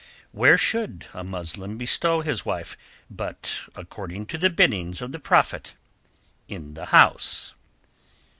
"Where should a Muslim bestow his wife but according to the biddings of the Prophet—in the house?"